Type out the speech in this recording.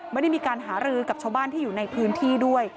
ไม่ได้มีการหารือกับชาวบ้านที่อยู่ในพื้นที่ด้วย